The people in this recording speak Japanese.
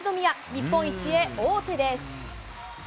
日本一へ王手です。